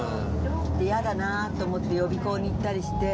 やだなと思って予備校に行ったりして。